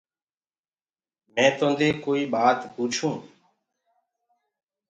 مينٚ توندي ڪآئي ٻآت پوڇونٚ؟